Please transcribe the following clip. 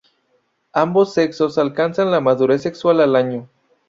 Ambos sexos alcanzan la madurez sexual al año.